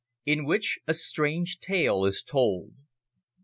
IN WHICH A STRANGE TALE IS TOLD.